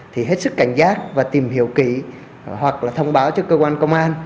thì hết sức cảnh giác và tìm hiểu kỹ hoặc là thông báo cho cơ quan công an